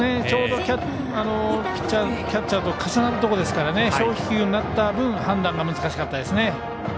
ちょうどピッチャーキャッチャーと重なるところですから小飛球になった分判断が難しかったですね。